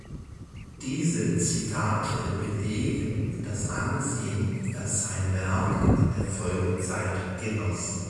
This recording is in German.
Diese Zitate belegen das Ansehen, das sein Werk in der Folgezeit genoss.